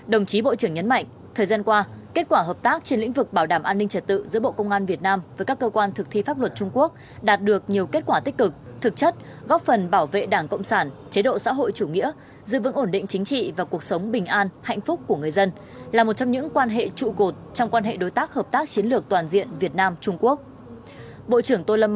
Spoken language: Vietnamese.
đồng chí bộ trưởng nhấn mạnh thời gian qua kết quả hợp tác trên lĩnh vực bảo đảm an ninh trật tự giữa bộ công an việt nam với các cơ quan thực thi pháp luật trung quốc đạt được nhiều kết quả tích cực thực chất góp phần bảo vệ đảng cộng sản chế độ xã hội chủ nghĩa giữ vững ổn định chính trị và cuộc sống bình an hạnh phúc của người dân là một trong những quan hệ trụ cột trong quan hệ đối tác hợp tác chiến lược toàn diện việt nam trung quốc